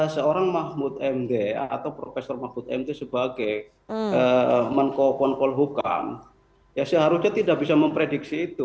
seorang mahfud md atau profesor mahfud md sebagai menko pon polhukam ya seharusnya tidak bisa memprediksi itu